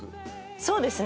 そうですね。